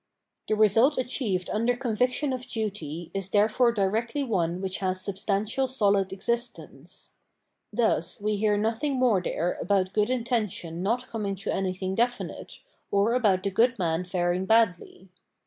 The result achieved under conviction of duty is therefore directly one which has substantial solid ex istence. Thus, we hear nothing more there about good intention not coming to anything defimte, ox about the good in an faring badly.